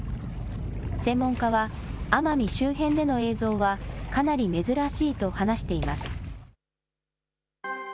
専門家は、奄美周辺での映像は、かなり珍しいと話しています。